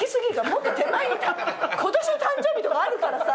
もっと手前に今年の誕生日とかあるからさ。